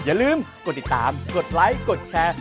อย่าลืมกดติดตามกดไลค์กดแชร์